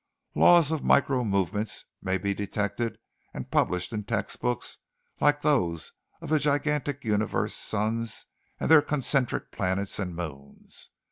Laws of micro movements may be detected and published in textbooks like those of the gigantic universe suns and their concentric planets and moons.